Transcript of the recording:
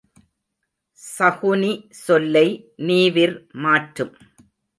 சகுனி சொல்லை நீவிர் மாற்றும்.